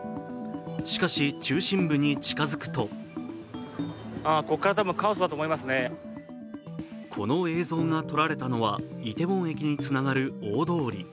しかし、中心部に近づくとこの映像が撮られたのはイテウォン駅につながる大通り。